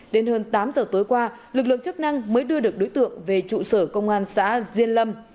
đến hơn tám giờ tối qua lực lượng chức năng mới đưa được đối tượng về trụ sở công an xã diên lâm